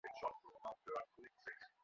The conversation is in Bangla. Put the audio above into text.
ধন্যবাদ, ক্যাপ্টেন হুইপ।